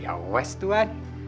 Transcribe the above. ya wes tuan